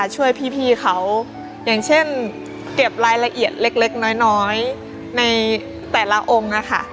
ช่วยพี่เขาอย่างเช่นเก็บรายละเอียดเล็กน้อยในแต่ละองค์นะคะ